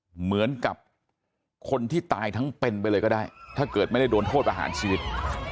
เหมือนกับคนที่ตายทั้งเป็นไปเลยก็ได้ถ้าเกิดไม่ได้โดนโทษประหารชีวิต